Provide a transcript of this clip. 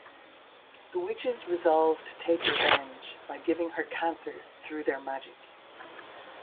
The witches resolve to take revenge by giving her cancer through their magic.